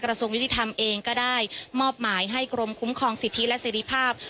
กระทรวงวิทยาลัยธรรมเองก็ได้มอบหมายให้กรมคุ้มคลองสิทธิและสิทธิภาพ